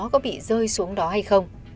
có bị rơi xuống đó hay không